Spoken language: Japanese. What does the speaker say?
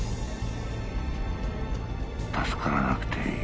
助からなくていい